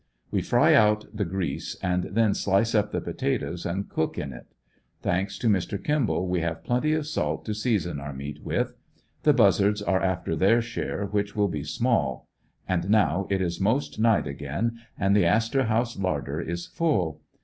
We fry out the grease and then slice up the potatoes and cook in it. Thanks to Mr. Kimball we have plenty of salt to season our meat with. The buzzards are after their share w^hich will be small. And now it is most night again and the '* Astor House " larder is full.